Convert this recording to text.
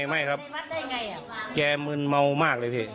ไม่ครับแกมีหมึนเมามากเลยพี่